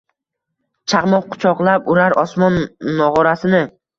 Chaqmoq qulochlab urar osmon nog‘orasini